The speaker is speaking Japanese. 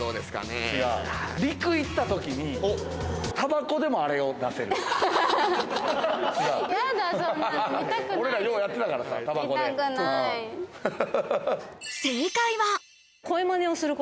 陸、行った時にタバコでも、あれを出せる。